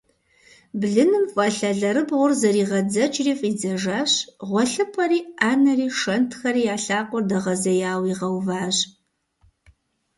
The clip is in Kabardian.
Блыным фӀэлъ алэрыбгъур зэригъэдзэкӀри фӀидзэжащ, гъуэлъыпӀэри, Ӏэнэри, шэнтхэри я лъакъуэр дэгъэзеяуэ игъэуващ.